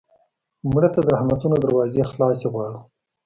مړه ته د رحمتونو دروازې خلاصې غواړو